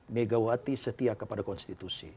dua ratus megawati setia kepada konstitusi